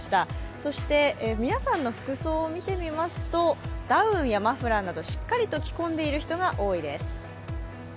そして皆さんの服装を見てみますとダウンやマフラーなどしっかりと着こんでいる人が多いです。